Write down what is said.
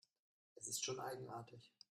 Es ist schon eigenartig.